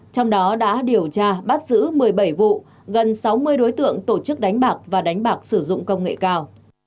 trong đó đã điều tra bắt giữ một mươi bảy vụ gần sáu mươi đối tượng tổ chức đánh bạc và đánh bạc sử dụng công nghệ cao